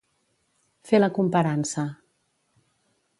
Fer la comparança.